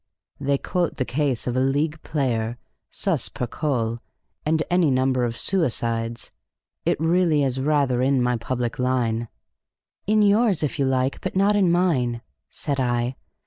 "They quote the case of a league player, sus per coll., and any number of suicides. It really is rather in my public line." "In yours, if you like, but not in mine," said I.